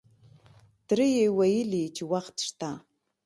تره یې ویلې چې وخت شته.